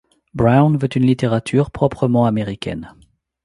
Brown veut une littérature proprement américaine.